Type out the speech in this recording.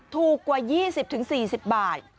ถูกกว่า๒๐๔๐บาท